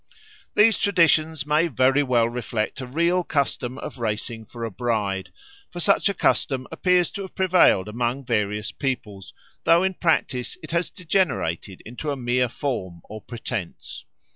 These traditions may very well reflect a real custom of racing for a bride, for such a custom appears to have prevailed among various peoples, though in practice it has degenerated into a mere form or pretence.